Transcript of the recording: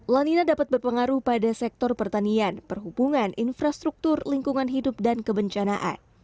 lanina dapat berpengaruh pada sektor pertanian perhubungan infrastruktur lingkungan hidup dan kebencanaan